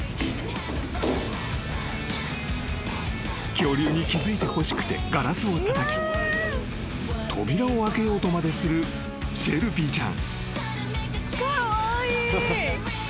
［恐竜に気付いてほしくてガラスをたたき扉を開けようとまでするシェルピーちゃん］